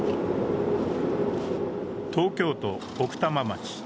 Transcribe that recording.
東京都奥多摩町。